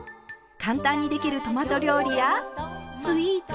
簡単にできるトマト料理やスイーツ。